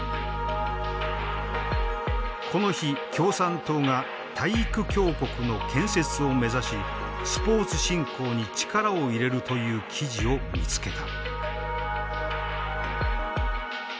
この日共産党が体育強国の建設を目指しスポーツ振興に力を入れるという記事を見つけた。